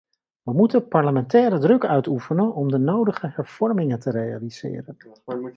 We moeten parlementaire druk uitoefenen om de nodige hervormingen te realiseren.